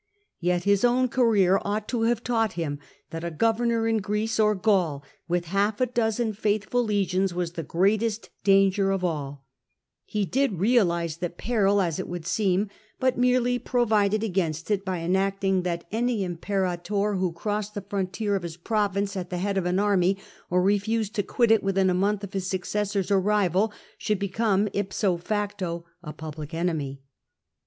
Tet his own career ought to have taught him that a governor in Greece or Gaul with half a dozen faithful legions was the greatest danger of alL He did realise the peril, as it would seem, but merely provided against it by enacting that any imperator who crossed the frontier of his province at the head of an army, or refused to quit it within a month of his successor's arrival, should become ipso facto a public enemy.